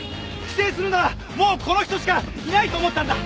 寄生するならもうこの人しかいないと思ったんだ！